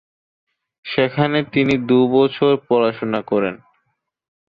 সেখানে তিনি দুই বছর পড়াশোনা করেন।